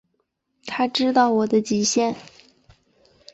他知道我的极限